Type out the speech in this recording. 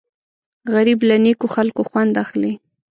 غریب له نیکو خلکو خوند اخلي